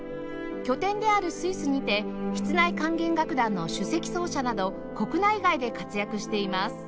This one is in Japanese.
拠点であるスイスにて室内管弦楽団の首席奏者など国内外で活躍しています